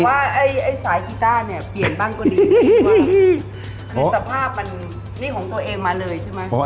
ว่าไอ้สายกีต้าเนี่ยเปลี่ยนบ้างก็ดีคือสภาพมันนี่ของตัวเองมาเลยใช่ไหม